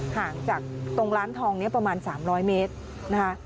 ห่างจากตรงร้านทองนี้ประมาณ๓๐๐เมตรนะคะ